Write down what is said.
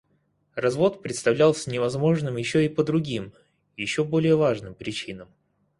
Развод представлялся невозможным еще и по другим, еще более важным причинам.